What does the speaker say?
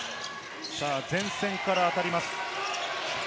前線からあたります。